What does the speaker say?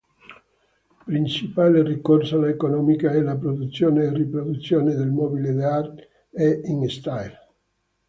Principale risorsa economica è la produzione e riproduzione del Mobile d'Arte e in stile.